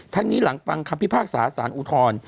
ทั้งนี้หลังฟังคำพิพากษาศาลอุทธรณ์